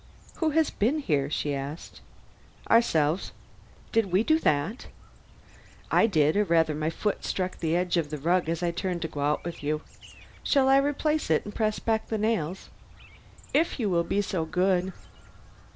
"Who has been here?" she asked. "Ourselves." "Did we do that?" "I did; or rather my foot struck the edge of the rug as I turned to go out with you. Shall I replace it and press back the nails?" "If you will be so good."